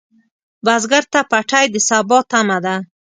بزګر ته پټی د سبا تمه ده